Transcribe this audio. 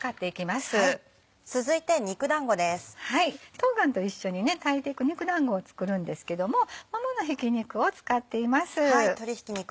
冬瓜と一緒に炊いていく肉だんごを作るんですけどももものひき肉を使っています。